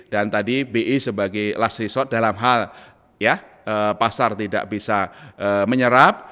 dan tadi bi sebagai last resort dalam hal pasar tidak bisa menyerap